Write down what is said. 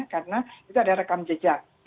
karena itu ada rekam jejak